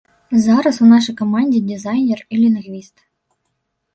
Зараз у нашай камандзе дызайнер і лінгвіст.